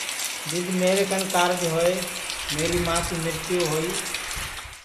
جِدؔ میرے کن کاررج ہوئے میری ماں کی مرتیو ہوئی